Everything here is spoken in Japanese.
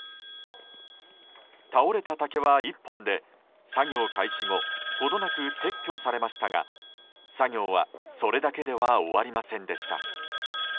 倒れた竹は１本で作業開始後程なく撤去されましたが作業は、それだけでは終わりませんでした。